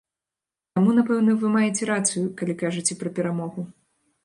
Таму, напэўна, вы маеце рацыю, калі кажаце пра перамогу.